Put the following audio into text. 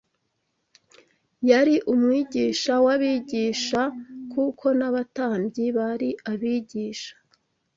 Yari Umwigisha w’abigisha, kuko n’abatambyi bari abigisha